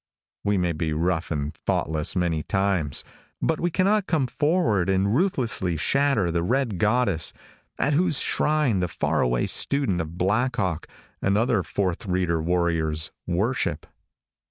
We may be rough and thoughtless many times, but we cannot come forward and ruthlessly shatter the red goddess at whose shrine the far away student of Black hawk and other fourth reader warriors, worship.